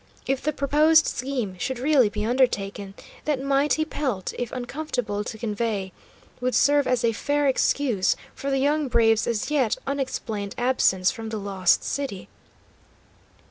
If the proposed scheme should really be undertaken, that mighty pelt, if uncomfortable to convey, would serve as a fair excuse for the young brave's as yet unexplained absence from the Lost City.